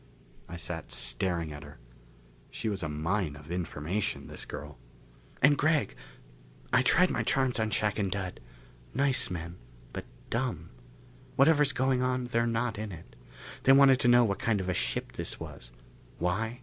I sat staring at her. She was a mine of information, this girl. "And Gregg, I tried my charms on Shac and Dud. Nice men, but dumb. Whatever's going on, they're not in it. They wanted to know what kind of a ship this was. Why?